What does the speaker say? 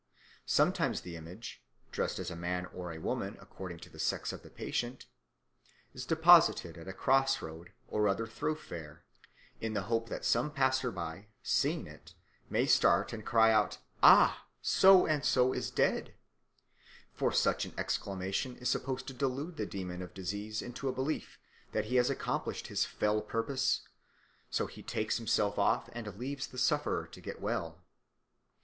Sometimes the image, dressed as a man or a woman according to the sex of the patient, is deposited at a cross road or other thoroughfare, in the hope that some passer by, seeing it, may start and cry out, "Ah! So and So is dead"; for such an exclamation is supposed to delude the demon of disease into a belief that he has accomplished his fell purpose, so he takes himself off and leaves the sufferer to get well.